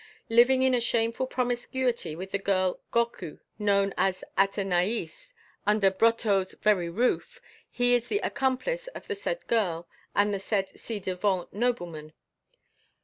Living in a shameful promiscuity with the girl Gorcut, known as Athenaïs, under Brotteaux's very roof, he is the accomplice of the said girl and the said ci devant nobleman.